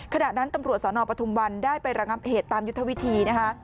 ขณะนั้นตำรวจสนปทุมวันได้ไประงับเหตุตามยุทธวิธีนะคะ